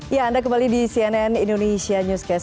ya anda kembali di cnn indonesia newscast